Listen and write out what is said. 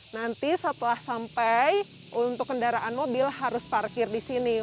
nanti setelah sampai untuk kendaraan mobil harus parkir di sini